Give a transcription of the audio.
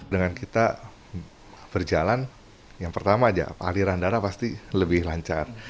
dengan kita berjalan yang pertama aja aliran darah pasti lebih lancar